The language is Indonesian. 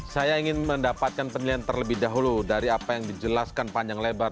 saya ingin mendapatkan penilaian terlebih dahulu dari apa yang dijelaskan panjang lebar